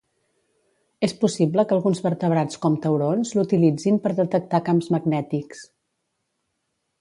És possible que alguns vertebrats com taurons l'utilitzin per detectar camps magnètics.